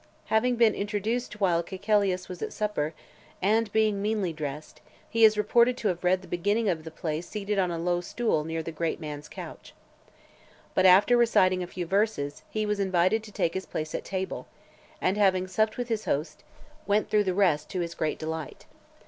Having been introduced while Caecilius was at supper, and being meanly dressed, he is reported to have read the beginning of the play seated on a low stool near the great man's couch. But after reciting a few verses, he was invited to take his place at table, and, having supped with his host, went through the rest to his great delight.